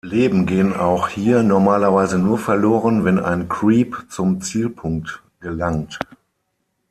Leben gehen auch hier normalerweise nur verloren, wenn ein Creep zum Zielpunkt gelangt.